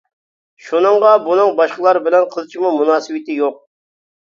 شۇنىڭغا، بۇنىڭ باشقىلار بىلەن قىلچىمۇ مۇناسىۋىتى يوق.